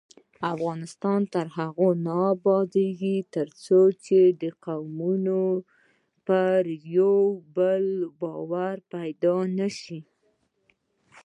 افغانستان تر هغو نه ابادیږي، ترڅو د قومونو پر یو بل باور پیدا نشي.